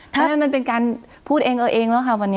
เพราะฉะนั้นมันเป็นการพูดเองเอาเองแล้วค่ะวันนี้